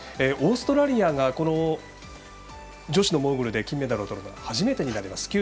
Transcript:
オーストラリアがこの女子のモーグルで金メダルをとるのは初めてになります。